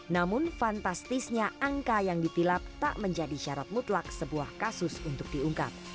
namun fantastisnya angka yang ditilap tak menjadi syarat mutlak sebuah kasus untuk diungkap